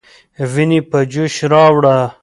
ويني په جوش راوړه.